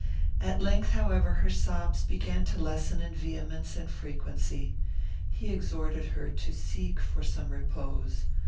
At length, however, her sobs began to lessen in vehemence and frequency. He exhorted her to seek for some repose.